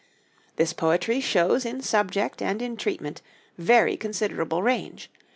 This poetry shows in subject and in treatment very considerable range.